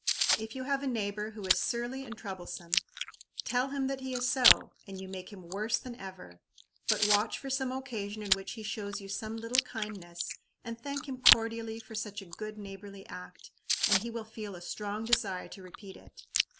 If you have a neighbor who is surly and troublesome tell him that he is so, and you make him worse than ever. But watch for some occasion in which he shows you some little kindness, and thank him cordially for such a good neighborly act, and he will feel a strong desire to repeat it.